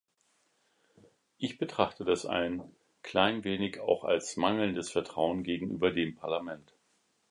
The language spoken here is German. Ich betrachte das ein klein wenig auch als mangelndes Vertrauen gegenüber dem Parlament.